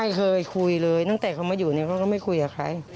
ไม่เคยคุยเลยตั้งแต่เขามาอยู่เนี่ยเขาก็ไม่คุยกับใคร